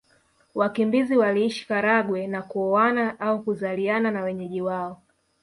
Wakimbizi waliishi Karagwe na kuoana au kuzaliana na wenyeji wao